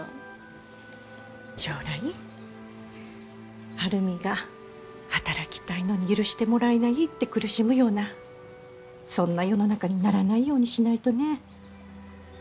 将来晴海が働きたいのに許してもらえないって苦しむようなそんな世の中にならないようにしないとね。